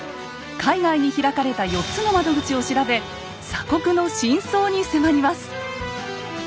海外に開かれた４つの窓口を調べ鎖国の真相に迫ります。